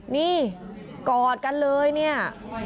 นี่กอดกันเลยเนี่ย